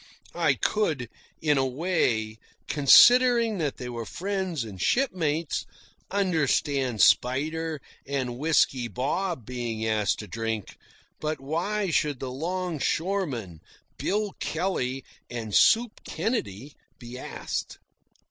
I could, in a way, considering that they were friends and shipmates, understand Spider and Whisky Bob being asked to drink; but why should the longshoremen, Bill Kelley and Soup Kennedy, be asked?